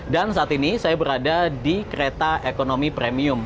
dan saat ini saya berada di kereta ekonomi premium